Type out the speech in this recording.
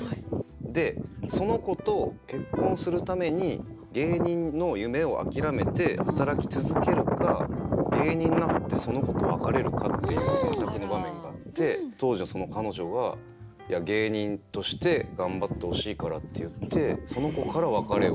でその子と結婚するために芸人の夢を諦めて働き続けるか芸人になってその子と別れるかっていう選択の場面があって当時のその彼女が「芸人として頑張ってほしいから」って言ってその子から別れを。